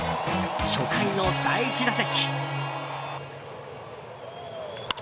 初回の第１打席。